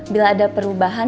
bila ada perubahan